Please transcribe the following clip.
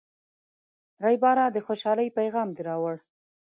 ریبراه، د خوشحالۍ پیغام دې راوړ.